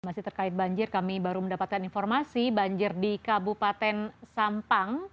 masih terkait banjir kami baru mendapatkan informasi banjir di kabupaten sampang